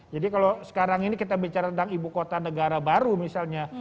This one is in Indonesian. jadi kalau sekarang ini kita bicara tentang ibu kota negara baru misalnya